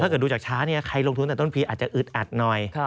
ถ้าเกิดดูจากช้าใครลงทุนตั้งแต่ต้นปีอาจจะอึดอัดหน่อย